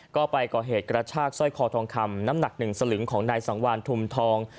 ก็ไปก่อเหตุกระชากสร้อยคอทองคำน้ำหนักหนึ่งสลึงของนายสังวานทุมทอง